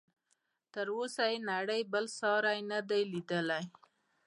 تر اوسه یې نړۍ بل ساری نه دی لیدلی.